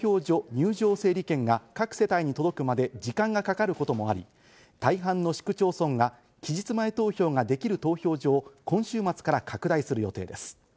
入場整理券が各世帯に届くまで時間がかかることもあり、大半の市区町村が期日前投票ができる投票所を今週末から拡大する予定です。